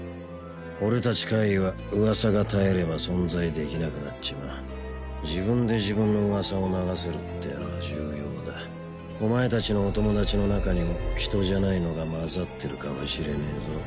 俺達怪異は噂が絶えれば存在できなくなっちまう自分で自分の噂を流せるってえのは重要だお前達のお友達の中にもヒトじゃないのがまざってるかもしれねえぞ